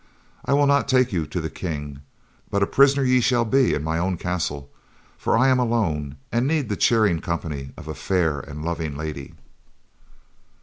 I will not take you to the King, but a prisoner you shall be in mine own castle for I am alone, and need the cheering company of a fair and loving lady."